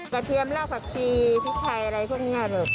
กระเทียมลอกกับชีพริกไทยอะไรพวกนี้ลูก